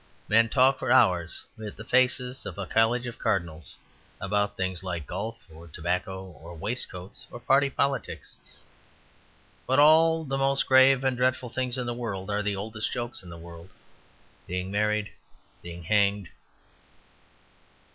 Men talk for hours with the faces of a college of cardinals about things like golf, or tobacco, or waistcoats, or party politics. But all the most grave and dreadful things in the world are the oldest jokes in the world being married; being hanged.